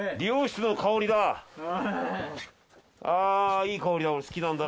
ああいい香りだ。